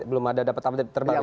belum ada dapat update terbaru ya pak